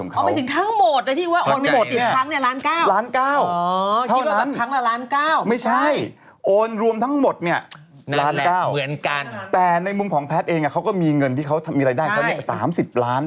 ใครมันจะมีเงินมาวัลละล้าน๒ล้าน